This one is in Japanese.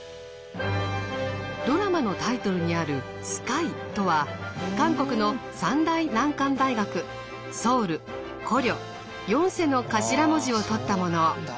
ドラマのタイトルにある「ＳＫＹ」とは韓国の３大難関大学「ソウル」「高麗」「延世」の頭文字を取ったもの。